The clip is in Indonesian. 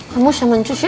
kamu saman cuci ya